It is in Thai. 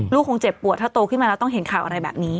คงเจ็บปวดถ้าโตขึ้นมาแล้วต้องเห็นข่าวอะไรแบบนี้